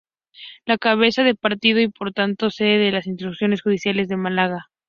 La cabeza de partido y por tanto sede de las instituciones judiciales es Málaga.